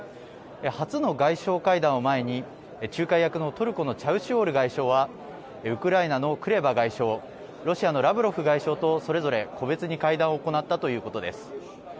初の外相会談を前に、仲介役のトルコのチャウシュオール外相は、ウクライナのクレバ外相、ロシアのラブロフ外相とそれぞれ個別に会談を行ったということです。